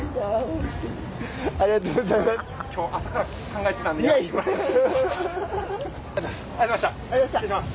ありがとうございます。